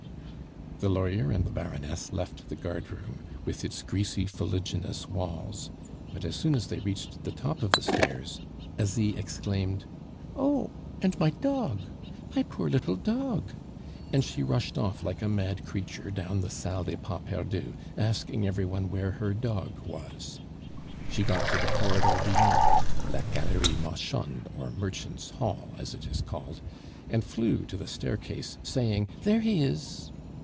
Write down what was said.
The lawyer and the Baroness left the guardroom, with its greasy, fuliginous walls; but as soon as they reached the top of the stairs, Asie exclaimed: "Oh, and my dog! My poor little dog!" and she rushed off like a mad creature down the Salle des Pas Perdus, asking every one where her dog was. She got to the corridor beyond (la Galerie Marchande, or Merchant's Hall, as it is called), and flew to the staircase, saying, "There he is!"